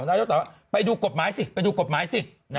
นายกต่อไปดูกฎหมายสิ